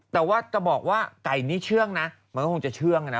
แต่ว่าจะบอกว่าไก่นี้เชื่องนะมันก็คงจะเชื่องนะ